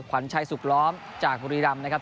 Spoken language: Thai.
ขวัญชัยสุขล้อมจากบุรีรำนะครับ